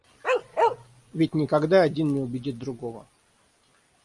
Ведь никогда один не убедит другого.